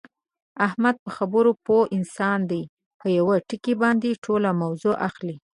احمد په خبره پوه انسان دی، په یوه ټکي باندې ټوله موضع اخلي.